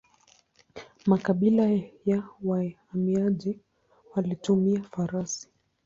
Makabila ya wahamiaji walitumia farasi.